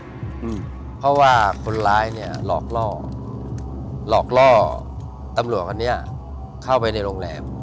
อืมเพราะว่าคนร้ายเนี่ยหลอกล่อหลอกล่อตำรวจคนนี้เข้าไปในโรงแรม